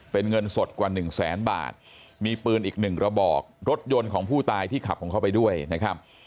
เป็นเงินสดกว่าหนึ่งแสนบาทมีปืนอีกหนึ่งระบอกรถยนต์ของผู้ตายที่ขับของเขาไปด้วยนะครับ